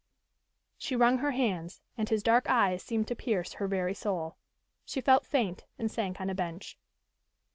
She wrung her hands and his dark eyes seemed to pierce her very soul. She felt faint and sank on a bench.